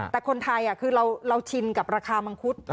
แต่คนไทยคือเราชินกับราคามังคุด